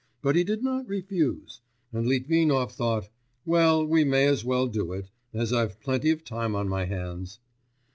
But he did not refuse; and Litvinov thought, 'Well, we may as well do it, as I've plenty of time on my hands.